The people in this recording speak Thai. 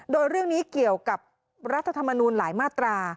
โดยเรื่องนี้เกี่ยวกับรัฐธรรมนูลหลายมาตรา